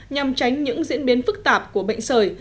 nhằm tránh những diễn biến phức tạp của bệnh sởi